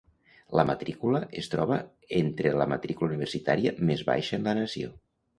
La matrícula es troba entre la matrícula universitària més baixa en la nació.